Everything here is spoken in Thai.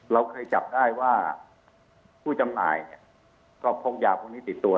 เราเคยจับได้ว่าผู้จำหน่ายเนี่ยก็พกยาพวกนี้ติดตัว